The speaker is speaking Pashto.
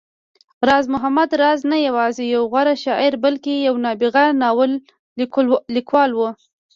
راز محمد راز نه يوازې يو غوره شاعر، بلکې يو نابغه ناول ليکوال و